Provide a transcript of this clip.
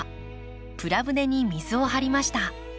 プラ舟に水を張りました。